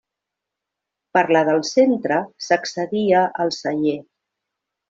Per la del centre s'accedia al celler.